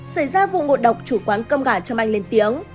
xảy ra vụ ngộ độc chủ quán cơm gà châm anh lên tiếng